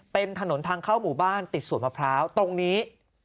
เป็นถนนทางเข้าหมู่บ้านติดสวดมะพร้าวตรงนี้